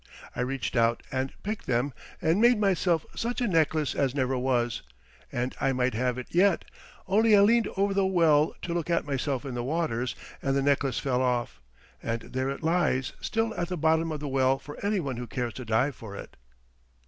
I reached out and picked them and made myself such a necklace as never was, and I might have it yet only I leaned over the well to look at myself in the waters, and the necklace fell off, and there it lies still at the bottom of the well for any one who cares to dive for it."